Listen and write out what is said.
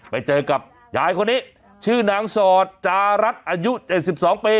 ไปเจอกับยายคนนี้ชื่อนางสอดจารัสอายุ๗๒ปี